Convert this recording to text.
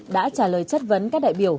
đã trả lời chất vấn các đại biểu